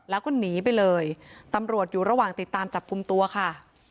แล้วก็หนีไปเลยตำรวจอยู่ระหว่างติดตามจับกลุ่มตัวค่ะ